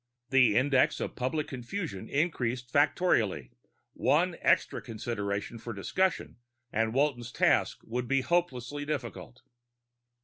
The Index of Public Confusion increased factorially; one extra consideration for discussion and Walton's task would be hopelessly difficult.